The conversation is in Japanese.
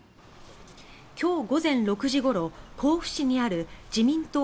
今日午前６時ごろ甲府市にある自民党